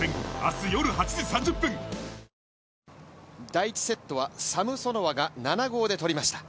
第１セットはサムソノワが７−５で取りました。